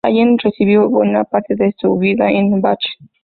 Allen residió buena parte de su vida en Bath.